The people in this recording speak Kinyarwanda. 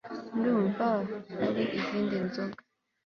ndumva ari izindi nzoga